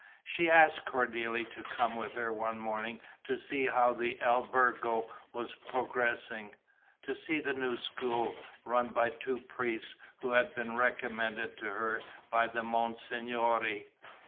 She asked Cornélie to come with her one morning to see how the albergo was progressing, to see the new school, run by two priests who had been recommended to her by the monsignori.